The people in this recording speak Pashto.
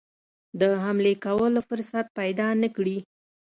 د حملې کولو فرصت پیدا نه کړي.